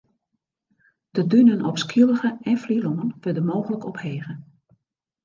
De dunen op Skylge en Flylân wurde mooglik ophege.